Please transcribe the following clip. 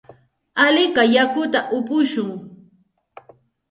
Alikay yakuta upushun.